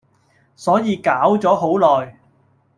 所以搞咗好耐